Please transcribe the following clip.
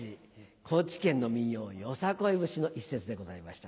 高知県の民謡『よさこい節』の一節でございました。